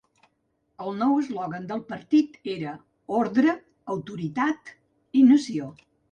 El nou eslògan del partit era "Ordre, Autoritat i Nació".